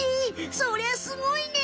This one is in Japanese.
そりゃすごいね！